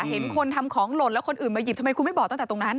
เห็นคนทำของหล่นแล้วคนอื่นมาหยิบทำไมคุณไม่บอกตั้งแต่ตรงนั้น